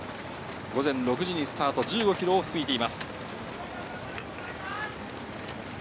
午前６時にスタートして１５ｋｍを過ぎています。